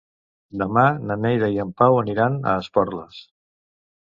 Demà na Neida i en Pau aniran a Esporles.